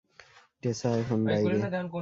টেসা, এখন বাইরে।